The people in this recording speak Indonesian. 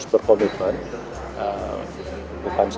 sampai kok beliita nyebi udah angle